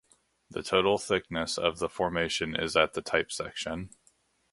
The total thickness of the formation is at the type section.